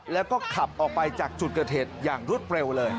แล้วก็ขับออกไปจากจุดกระเทศอย่างรุ่นเร็วเลย